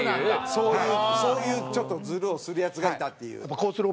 そういうちょっとズルをするヤツがいたっていう。